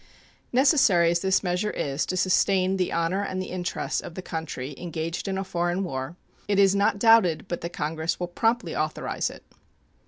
Necessary as this measure is to sustain the honor and the interests of the country engaged in a foreign war, it is not doubted but that Congress will promptly authorize it.